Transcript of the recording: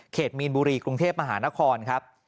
มีนบุรีกรุงเทพมหานครครับ